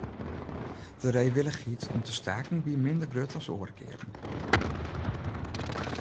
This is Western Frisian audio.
De reewillichheid om te staken wie minder grut as oare kearen.